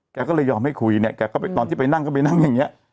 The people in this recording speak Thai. แกก็เลยยอมให้คุยตอนที่ไปนั่งก็ไปนั่งอย่างนี้